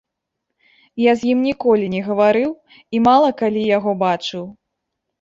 Я з ім ніколі не гаварыў і мала калі яго бачыў.